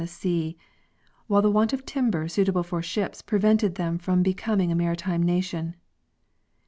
'er sea, while the want of timber suitable for ships prevented them from becoming a maritime nation.